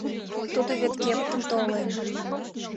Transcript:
Тудо вет кевытым толен!